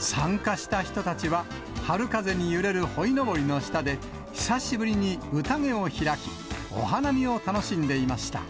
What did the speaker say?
参加した人たちは、春風に揺れるホイノボリの下で、久しぶりにうたげを開き、お花見を楽しんでいました。